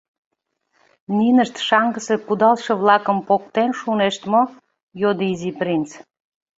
— Нинышт шаҥгысе кудалше-влакым поктен шунешт мо? — йодо Изи принц.